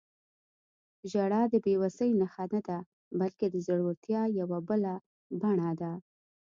• ژړا د بې وسۍ نښه نه ده، بلکې د زړورتیا یوه بله بڼه ده.